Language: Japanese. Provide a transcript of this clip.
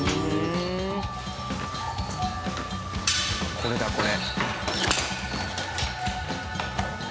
これだこれ。